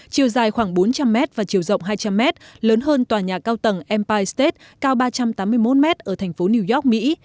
chiều dài khoảng bốn trăm linh mét và chiều rộng hai trăm linh mét lớn hơn tòa nhà cao tầng mpai stat cao ba trăm tám mươi một mét ở thành phố new york mỹ